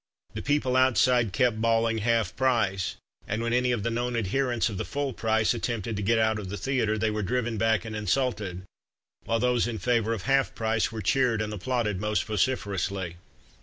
The people outside kept bawling "Half price!" and when any of the known adherents of the full price attempted to get out of the theatre they were driven back and insulted, while those in favour of "Half price" were cheered and applauded most vociferously.